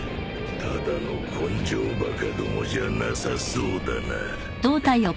ただの根性バカどもじゃなさそうだな。